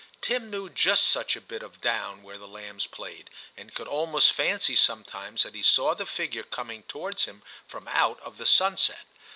Tim knew just such a bit of down where the lambs played, and could almost fancy sometimes that he saw the figure coming towards him from out of the sunset.